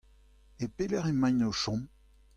E pelec'h emaint o chom ?